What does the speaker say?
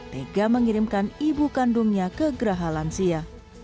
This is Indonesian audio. tega mengirimkan ibu kandungnya ke gerahalansia